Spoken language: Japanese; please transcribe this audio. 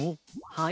はい。